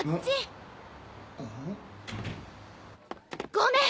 ごめん！